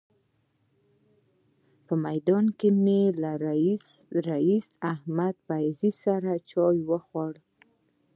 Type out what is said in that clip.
په میدان کې مې له رئیس احمدالله فیضي سره چای وخوړل.